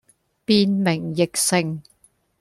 變名易姓